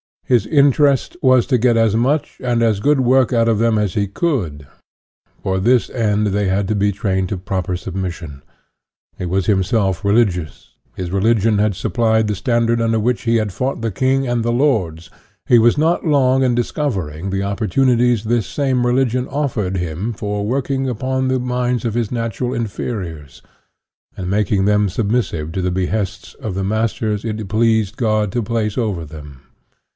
His interest was to get as much and as good work out of them as he could; for this end they had to be trained to proper submission. He was himself religious; his religion had supplied the standard under which he had fought the king and the lords; he was not long in discovering the oppor tunities this same religion offered him for work ing upon the minds of his natural inferiors, and making them submissive to the behests of ,the masters it had pleased God to place over them.